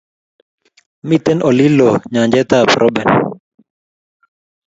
mito olin loo nyanjeta Roben